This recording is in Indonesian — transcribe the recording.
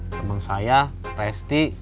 temen saya presti